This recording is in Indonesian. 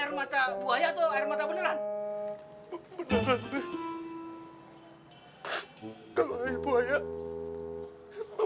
itu air mata buaya atau air mata beneran